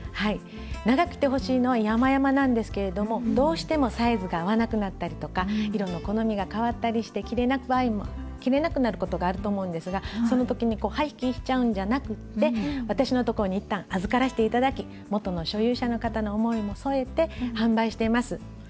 長く着てほしいのはやまやまなんですけれどもどうしてもサイズが合わなくなったりとか色の好みがかわったりして着れなくなることがあると思うんですがその時に廃棄しちゃうんじゃなくって私のところに一旦預からして頂き元の所有者の方の思いも添えて販売してます。